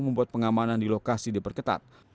membuat pengamanan di lokasi diperketat